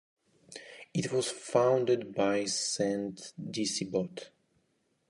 It was founded by Saint Disibod.